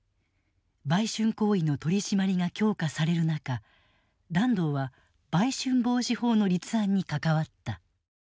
売春行為の取り締まりが強化される中團藤は売春防止法の立案に関わった。